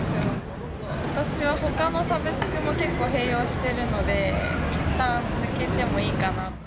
私はほかのサブスクも結構併用しているので、いったん抜けてもいいかなと。